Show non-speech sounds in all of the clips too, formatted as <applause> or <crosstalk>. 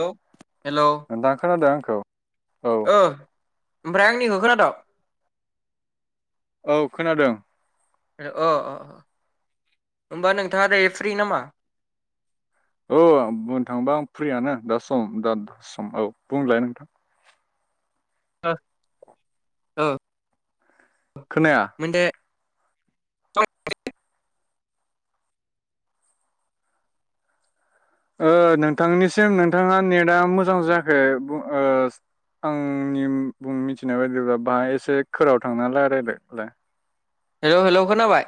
हेल हेल' <unintelligible> खोनादों आंखौ औ? ओमफ्राय आंनिखौ खोनाद'? औ खोनादों। अ अ अ हमबा नोंथाङा दायो फ्रि नामा? औ बुंनो थांबा आं फ्रियानो दा सम- दा सम -औ बुंलाय नोंथां। अ <unintelligible> खोनाया मोनदे ओ नोंथांनिसिम नोंथांङा नेटआ मोजां जायाखै ओ आंनि बुं मिथिनाय बायदिब्ला बाहाय एसे खोराव थांनालाय रायलायलाय हेल' हेल' खोनाबाय?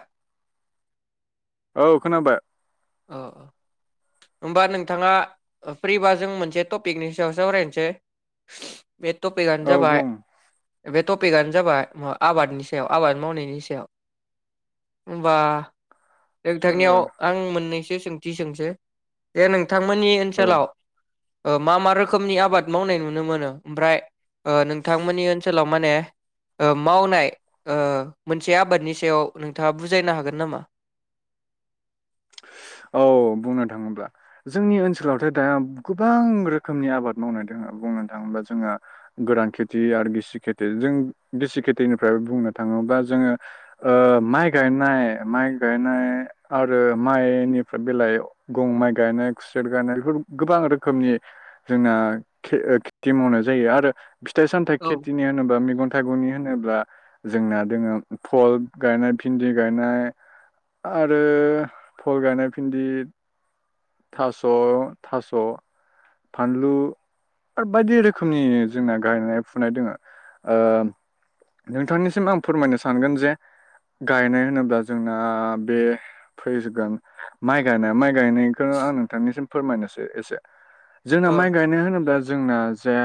औ खोनाबाय। औ। होमबा नोंथाङा फ्रिबा जों मोनसे टपिकनि सायाव सावरायनोसै। बे टपिकानो औ जाबाय बुं बे टपिकानो जाबाय आबादनि सायाव आबाद मावनायनि सायाव। होमबा ओ नोंथांनियाव आं मोननैसो सोंथि सोंसै। जे नोंथांमोननि औ ओनसोलाव मा मा रोखोमनि आबाद मावनाय नुनो मोनो ओमफ्राय नोंथांमोननि ओनसोलाव माने मावनाय मोनसे आबादनि सायाव नोंथाङा बुजायनो हागोन नामा? औ बुंनो थाङोब्ला जोंनि ओनसोलावथ' दा गोबां रोखोमनि आबाद मावनाय दङ बुंनो थाङोबा जोंहा गोरान खेथि आरो गिसि खिथि जों गिसि खिथिनिफ्राय बुंनो थाङोबा जोङो माइ गायनाय माइ गायनाय आरो माइ निफ्राय बेलायाव गं- माइ गायनाय खुसेर गायनाय बेफोर गोबां रोखोमनि जोंना खेथि मावनाय जायो आरो फिथाइ सामथाइ औ खेथिनि होनोबा मेगन थाइगंनि होनोब्ला जोंना दोङो फल गायनाय भिन्दि गायनाय आरो फल गायनाय फिन्दि थास' थास' फानलु। आरो बायदि रोखोमनि जोंना गायनाय फुनाय दङ ओ नोंथांनिसिम आं फोरमायनो सानगोन जे गायनाय होनोब्ला जोंना बे फैजगोन माइ गायनाय माइ गायनायखौनो आं नोंथांनिसिम फोरमायनोसै एसे। जोंना औ माइ गायनाय होनोब्ला जोंना जे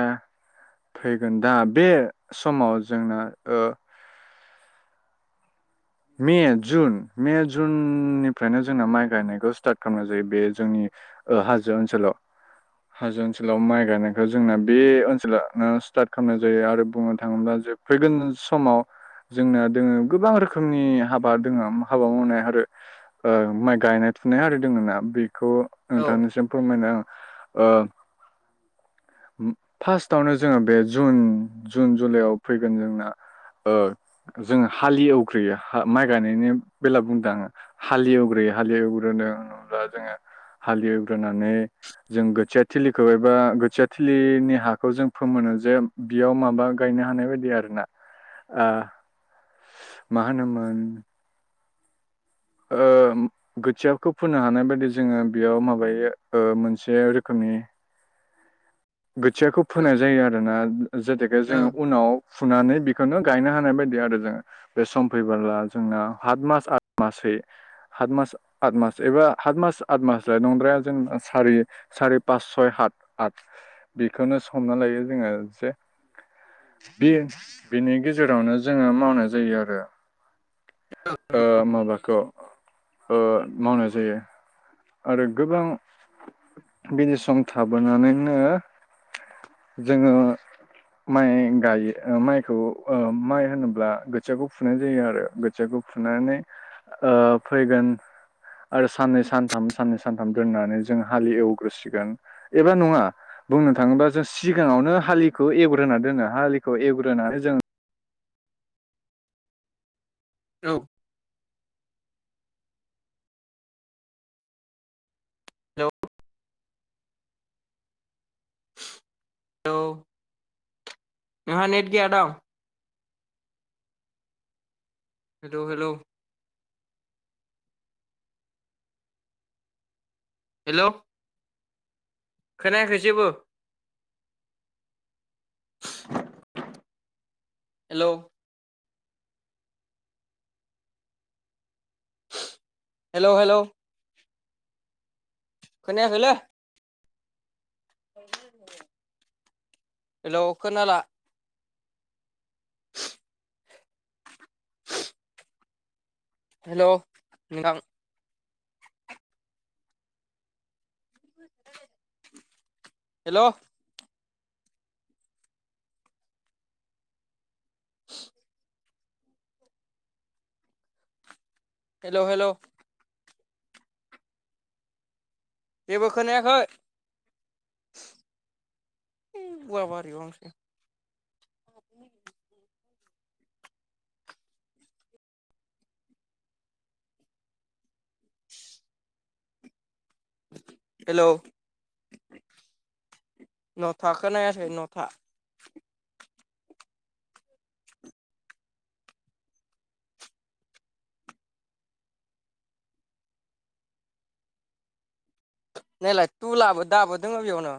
फैगोन दा बे समाव जोंना ओ मे जुन मे जुननिफ्रायनो जोंना माइ गायनायखौ स्टार्ट खालामनाय जायो बे जोंनि हाजो ओनसोलाव हाजो ओनसोलाव माइ गायनायखौ जोंना बे ओनसोलनो स्टार्ट खालामनाय जायो आरो बुंनो थाङोब्ला जे‌ फैगोन समाव जोंना दोङो गोबां रोखोम रोखोमनि हाबा दोङो हाबा मावनाय आरो ओ माइ गायनाय थुनाय आरि दङ ना बेखौ औ नोंथांनिसिम फोरमायनो आं ओ फार्स्टावनो जोङो बे जुन जुन जुलाइआव फैगोन जोंना जोङो हालि एवग्रोयो माइ गायनायनि बेला बुंदों आङो हालि एवग्रोयो हाल एवग्रोनो होनोब्ला जोङो हालि एवग्रोनानै जों गोथिया थिलिखौ एबा गोथिया थिलिनि हाखौ जों फोमोनो जे बियाव माबा गायनो हानाय बायदि आर ना ओ मा होनोमोन ओ खोथियाखौ फोननो हानाय बायदि जोङो बेयाव माबायो मोनसे रोखोमनि खोथियाखौ फोनाय जायो आरोना जेतुखे औ जोङो उनाव फुनानै बेखौनो गायनो हानाय बायदि आरो जोङो बे सम फैबोला जोंना हात मास आ मासै सात मास आत मास एबा आत मास आत मासलाय नंद्राया जेनेबा सारि सारिाय पास सय हात आत बेखौनो सना लायो जोङो जे बे बिनि गेजेरावनो जोङो मावनाय जायो आरो ओ माबाखौ ओ मावनाय जायो आरो गोबां गदि सम थाबोनानैनो जोङो माइ गायो माइखौ माइ होनोब्ला खोथियाखौ फुनाय जायो आरो फखौ फुनानै फैगोन आरो साननै सानथामसो साननै सानथाम दोननानै जों हाल एवग्रोसिगोन एबा नङा बुंनो थाङोबा जों सिगाङावनो हालिखौ एग्रोनानै दोनो हालिखौ एग्रोनानै जों औ लौ नोंहा नेट गैया दं हेल' हेल' हेल' खोनायाखै जेबो हेलौ हेलौ हेलौ खोनायाखैलै ब हेल' खोनला हेल' नोंथां हेल' <inaudible> हेल' हेल' जेबो खोनायाखै हैइ गवाबारि बांसै न <inaudible> हेलौ नथा खोननायासै नथा नैलाय तुलाबो दाबो दङो बेयावनो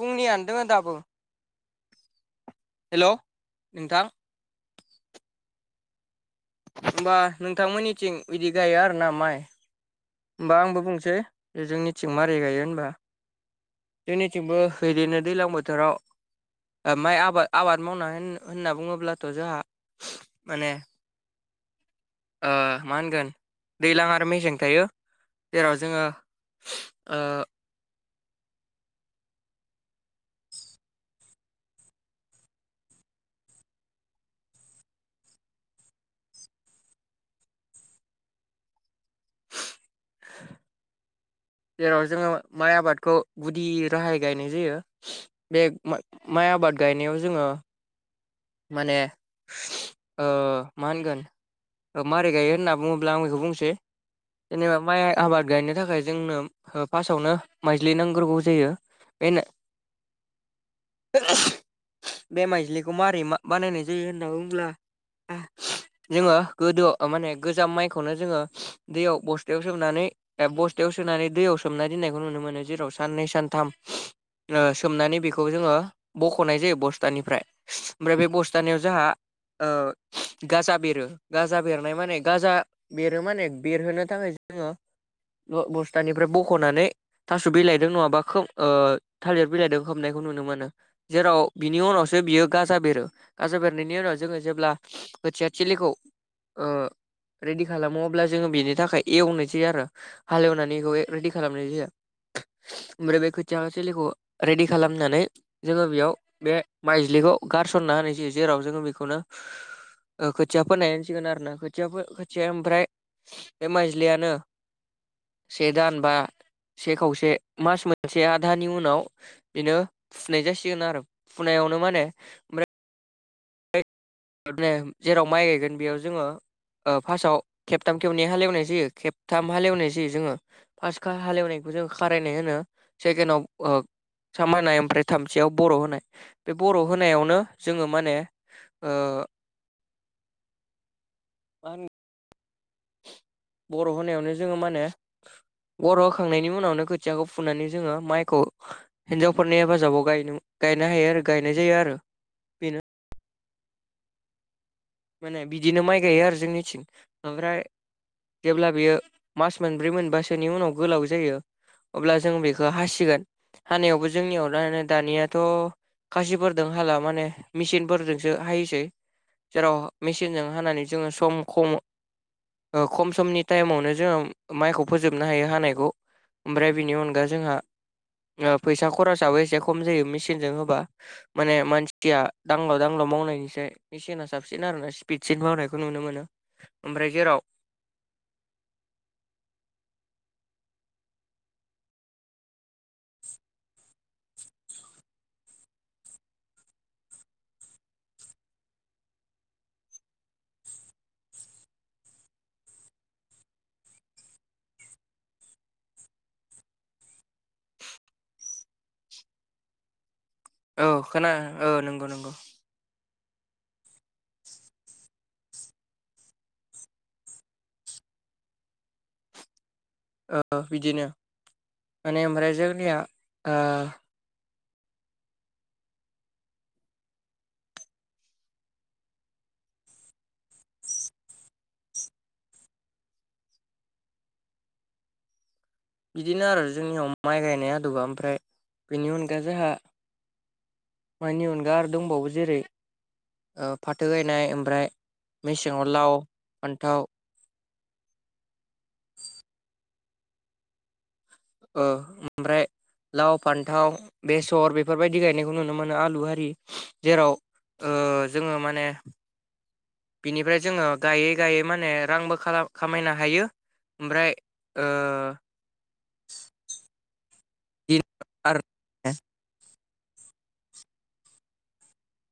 फुंनियानो दोंङो दाबो हेल' नोंथां होमबा नोंथांमोननिथिं बिदि गाया आरोना माइ होमबा आंबो बुंसै जोंनिथिं मारै गायो होनबा जोंनिथिंबो बिदिनो दैज्लां बोथोराव माइ आबाद आबाद मावनानै होनना बुङोब्लाथ' जोंहा माने मा होनगोन दैज्लां आरो मेसें थायो जेराव जोङो <unintelligible> जेराव जोङो माइ आबादखौ गुदि राहाय गायनाय जायो बे माइ आबाद गायनायाव जोङो माने मा होनगोन औ माबोरै गायो होनना बुङोब्ला आं बेखौ बुंसै जेनेबा माइ आबाद गायनो थाखाय जोंनो फार्स्टआवनो माइज्लि नांग्रोगौ जायो बेनो बे माइजलिखौ मारै मार बानायनाय जायो होनना बुंब्ला जोङो गोदो माने गोजाम माइखौनो जोङो दैयाव बस्थायाव सोमनानै बस्थायाव सोनानै दैयाव सोमना दोननायखौ नुनो मोनो। जेराव साननै सानथाम ओ सोमनानै बेखौ जोङो बख'नाय जायो बस्थानिफ्राय। ओमफ्राय बे बस्थानायाव जोंहा ओ गाजा बेरो। गाजा बेरनाय माने गाजा बेरो माने बेरहोनो थाखाय जोङो बो-बस्थानिफ्राय बख'नानै थास' बिलाइदों नङाबा खोब थालिर बिलाइदों खोबनायखौ नुनो मोनो। जेराव बिनि उनावसो बियो गा जा बेरो। गाजा बेरनायनि उनाव जोङो जेब्ला खोथिया थिलिखौ ओ रेडि खालामो अब्ला जोङो बेनि थाखाय एवनाय जायो आरो। हालेवनानै एखौ रेडि खालामनाय जायो। ओमफ्राय बे खोथिया थिलिखौ रेडि खालामनानै जोङो बेयाव बे माइज्लिखौ गारसनना होनाय जायो जेराव जोङो बेखौनो ओ खोथियाफोर नायनसिगोन आरोना खोथियाखो खोथिया ओमफ्राय बे माइज्लियानो से दान बा से खावसे मास मोनसे आधानि उनाव बेनो फुनाय जासिगोन आरो फुनायावनो माने ओमफ्राय <unintelligible> जेराव माइ गायगोन बेयाव जोङो ओ फार्स्टआव खेबथाम खेबनै हालेवनाय जायो खेबथाम हालेवनाय जायो जोङो। फार्स्टखो हालेवनायखौ जों खारायनाय होनो सेकेण्कडाव साम होनाय ओमफ्राय थामथियाव बर' होनाय। बे बर' होनायावनो जोङो माने ओ <inaudible> बर' होनायावनो जोङो मा होनो बर' होखांनायनि उनावनो खोथियाखौ फुनानै जोङो माइखौ हिन्जावफोरनि हेफाजाबाव गायनो हायो आरो गायनाय जायो आरो‌। माने बिदिनो माइ गायो आरो जोंनिथिं। ओमफ्राय जेब्ला बियो मास मोनब्रै मोनबासोनि उनाव गोलाव जायो अब्ला जों बेखौ हासिगोन। हानायावबो जोंनियावो दानियाथ' खासिफोरजों हाला माने मिचिनफोरजोंसो हायोसै‌। जेराव मचिेनजों हानानै जोङो सम खम ओ खम समनि टाइमावनो जोङो माइखौ फोजोबनो हायो हानायखौ। ओमफ्राय बिनि अनगा जोंहा ओ फैसा खरसाबो एसे खम जायो मेचिनजों होबा। माने मानसिया दांलाव दांलाव मावनायनिसाय एसेनास साबसिन आरोना स्पिडसिन मावनायखौ नुनो मोनो। ओमफ्राय जेराव औ खोना औ नोंगौ नोंगौ। ओ बिदिनो माने ओमफ्राय जोंनिया ओ बिदिनो आरो जोंनियाव माइ गायनाय आदबा। ओमफ्राय बेनि अनगा जोंहा मानि अनगा आरो दंबावो जेरै ओ फाथो गायनाय ओमफ्राय मेसेङाव लाव, फान्थाव ओ ओमफ्राय लाव, फान्थाव, बेसर बेफोरबायदि गायनायखौ नुनो मोनो आलु आरि जेराव ओ जोङो माने बिनिफ्राय जोङो गायै गायै माने रांबो खाला-खामायनो हायो। ओमफ्राय ओ <inaudible>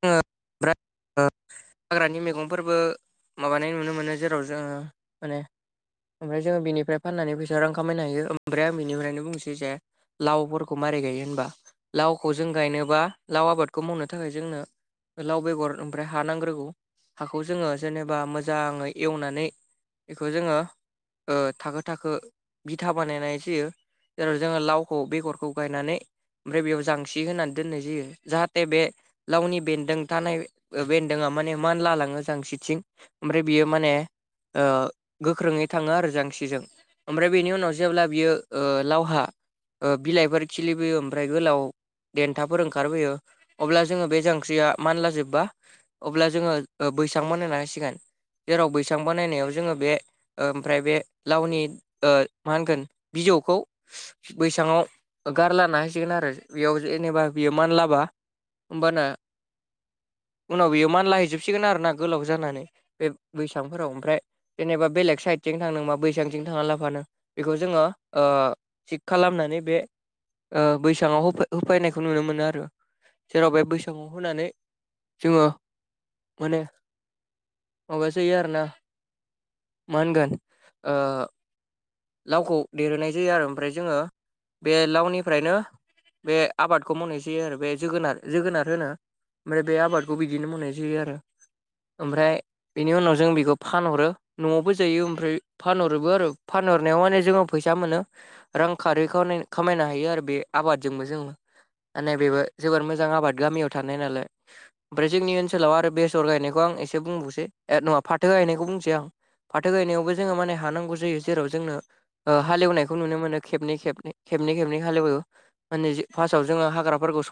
<unintelligible> हाग्रानि मैगंफोरबो माबा नाय नुनो मोनो जेराव जोङो माने ओमफ्राय जोङो बेनिफ्राय फाननानै फैसा रां खामायनो हायो। ओमफ्राय आं बिनिफ्रायनो बुंसै जे लावफोरखौ मारै गायो होनबा लावखौ जों गायनोबा लाव आबादखौ मावनो थाखाय जोंनो लाव बेगर ओमफ्राय हा नांग्रोगौ हाखौ जोङो जेनेबा मोजाङै एवनानै बेखौ जोङो ओ थाखो- थाखो बिथा बानायनाय जायो। जेराव जोङो लावखौ बेगरखौ गायनानै ओमफ्राय बेयाव जांसि होनानै दोननाय जायो। जाहाथे बे लावनि बेन्दों थानाय बेन्दोंआ माने मानलालाङो जांसिथिं ओमफ्राय बियो माने ओ गोख्रोङै थाङो आरो जांसिजों। ओमफ्राय बेनि उनाव जेब्ला बियो लावहा ओ बिलाइफोर खिलिबोयो ओमफ्राय गोलाव देन्थाफोर ओंखारबोयो अब्ला जोङो बे जां <unintelligible> मानला जोबबा अब्ला जोङो बैसां बानायना होसिगोन। जेराव बैसां बानायनायाव जोङो बे ओमफ्राय बे लावनि ओ मा होनगोन बिजौखौ बैसाङाव गारलाना होसिगोन आरो बेयाव जेनेबा बियो मानलाबा होमबाना उनाव बियो मानलाहैजोबसिगोन आरोना गोलाव जानानै बे बैसांफोराव ओमफ्राय जेनेबा बेलेग साइडथिजों थांनो मा बैसांथिं थांङा लाफानो बेखौ जोङो थिग खालामनानै बे ओ बैसाङाव होफैनायखौ नुनो मोनो आरो जेराव बेै <unintelligible> होनानै जोङो माने माबा जायो आरो ना <unintelligible> लावखौ देरहोनाय जायो आरो ओमफ्राय जोङो बे लावनिफ्रायनो बे आबादखौ मावनाय जायो आरो बे जोगोनार जोगोनार होनो ओमफ्राय बे आबादखौ बिदिनो मवनाय जायो आरो। ओमफ्राय बेनि उनाव जों बेखौ फानहरो न'आवबो जायो ओमफ्राय फानहरोबो आरो। फानहरनायाव माने जोङो फैसा मोनो। रां खरै खा-खामायनो हायो आरो बे आबादजोंबो जोंङो माने बेबो जोबोर मोजां आबाद गामियाव थानाय नालाय। ओमफ्राय जोंनि ओनसोलाव आरो बेसर गायनायखौ आं एसे बुंबावसै ए नङा फाथो गायनायखौ बुंसै आं। फाथो गायनायावबो जोङो माने हा नांगौ जायो। जेराव जोंनो ओ हालेवनायखौ नुनो मोनो खेबनै- खेबनै- खेबनै- खेबनै हालेवो। माने जों फासआव जों हाग्राफोरखौ <unintelligible>